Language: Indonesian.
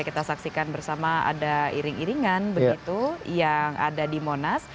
kita saksikan bersama ada iring iringan begitu yang ada di monas